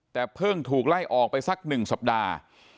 แต่เพิ่งถูกไล่ออกไปสัก๑สัปดาห์